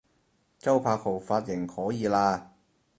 周柏豪髮型可以喇